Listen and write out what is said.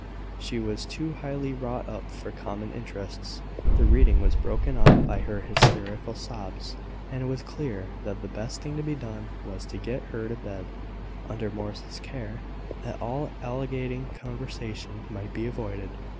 She was too highly wrought up for common interests. The reading was broken off by her hysterical sobs; and it was clear that the best thing to be done was to get her to bed, under Morris's care, that all agitating conversation might be avoided.